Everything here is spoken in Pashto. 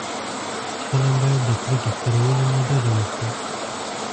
فلم باید د کرکې خپرولو نه ډډه وکړي